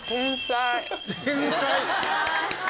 天才。